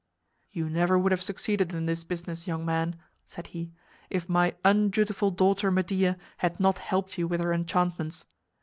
"You never would have succeeded in this business, young man," said he, "if my undutiful daughter Medea had not helped you with her enchantments.